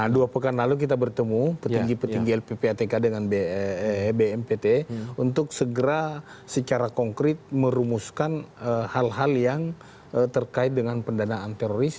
dua pekan lalu kita bertemu petinggi petinggi lppat dengan bmpt untuk segera secara konkret merumuskan hal hal yang terkait dengan pendanaan teroris